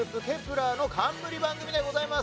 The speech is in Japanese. １ｅｒの冠番組でございます。